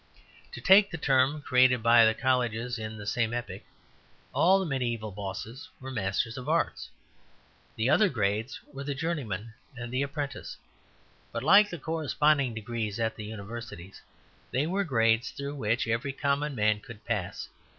To take the term created by the colleges in the same epoch, all the mediæval bosses were Masters of Arts. The other grades were the journeyman and the apprentice; but like the corresponding degrees at the universities, they were grades through which every common man could pass.